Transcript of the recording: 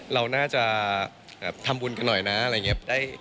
เราน่าจะทำบุญกันหน่อยนะอะไรอย่างนี้